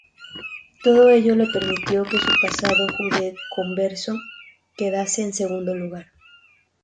Todo ello le permitió que su pasado judeoconverso quedase en segundo lugar.